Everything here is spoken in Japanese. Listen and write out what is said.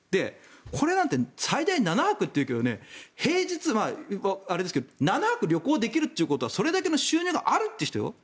これだって最大７泊というけど平日、あれですけど７泊旅行できるということはそれだけの収入があるという人よ。